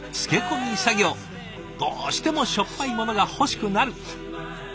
どうしてもしょっぱいものが欲しくなる。